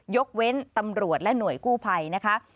ยกเว้นตำรวจและหน่วยกู้ภัยนะคะ